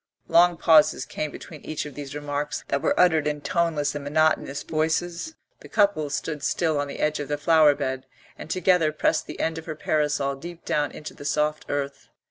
Long pauses came between each of these remarks; they were uttered in toneless and monotonous voices. The couple stood still on the edge of the flower bed, and together pressed the end of her parasol deep down into the soft earth.